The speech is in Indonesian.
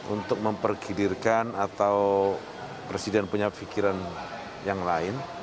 untuk mempergilirkan atau presiden punya pikiran yang lain